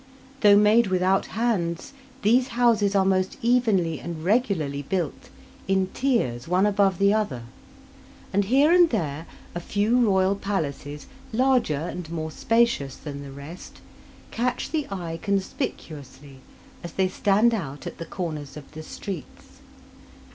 Though made without hands these houses are most evenly and regularly built in tiers one above the other; and here and there a few royal palaces, larger and more spacious than the rest, catch the eye conspicuously as they stand out at the corners of the streets.